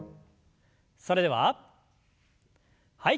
それでははい。